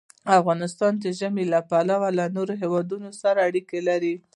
افغانستان د ژمی له پلوه له نورو هېوادونو سره اړیکې لري.